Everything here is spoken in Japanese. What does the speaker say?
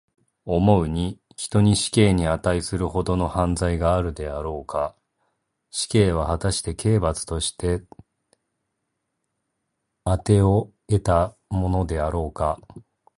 思うに、人に死刑にあたいするほどの犯罪があるであろうか。死刑は、はたして刑罰として当をえたものであろうか。